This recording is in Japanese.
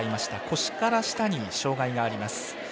腰から下に障がいがあります。